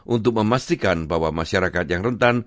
untuk memastikan bahwa masyarakat yang rentan